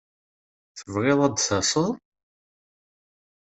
Tebɣiḍ ad d-taseḍ?